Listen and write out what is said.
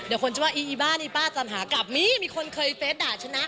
เดี๋ยวคนจะว่าอีอีบ้านี่ป้าจันหากลับมีมีคนเคยเฟสด่าชนะ